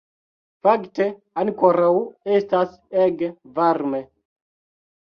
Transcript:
Fakte, ankoraŭ estas ege varme